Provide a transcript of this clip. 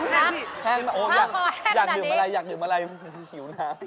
น้ำที่แห้งมากอย่างงั้นอยากดื่มอะไร